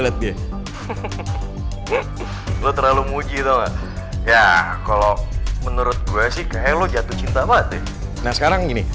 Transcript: lo terlalu muji kalau menurut gue sih kayak lo jatuh cinta banget nih nah sekarang gini